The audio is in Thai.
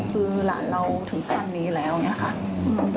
คือหลานเราถึงขั้นนี้แล้วอย่างนี้ค่ะ